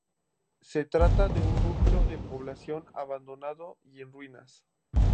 Se trata de un núcleo de población abandonado y en ruinas.